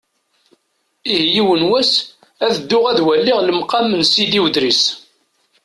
Ihi yiwen wass, ad dduɣ ad waliɣ lemqam n Sidi Udris.